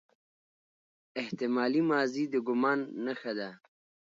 احتمالي ماضي د ګومان نخښه ده.